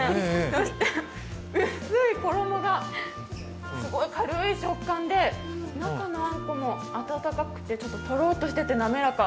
そして、薄い衣がすごい軽い食感で中のあんこもあたたかくてとろっとしてて滑らか。